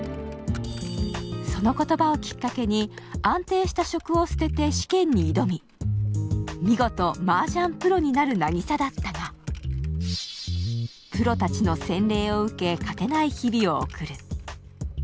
その言葉をきっかけに、安定した職を捨てて試験に挑み、見事、マージャンプロになる渚だったが、プロたちの洗礼を受け、勝てない日々を送る。